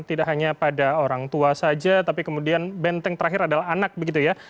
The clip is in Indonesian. tidak hanya pada orang tua saja tapi kemudian benteng terakhir adalah anak begitu ya